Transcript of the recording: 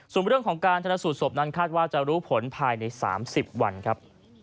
ส่วนเรื่องของการธนสูตรศพนั้นคาดว่าจะรู้ผลภายใน๓๐วันครับ